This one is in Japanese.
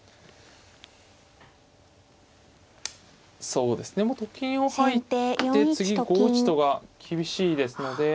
そうですね。と金を入って次５一とが厳しいですので。